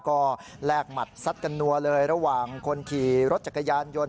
ก็แลกหมัดซัดกันนัวเลยระหว่างคนขี่รถจักรยานยนต์